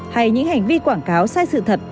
hay những hành vi quảng cáo sai sự thật